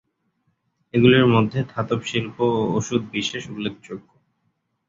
এগুলির মধ্যে ধাতব শিল্প ও ওষুধ বিশেষ উল্লেখযোগ্য।